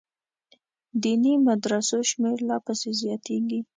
دیني مدرسو شمېر لا پسې زیاتېږي.